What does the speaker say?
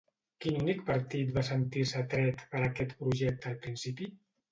Quin únic partit va sentir-se atret per aquest projecte al principi?